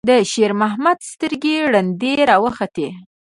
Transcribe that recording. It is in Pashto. د شېرمحمد سترګې رډې راوختې.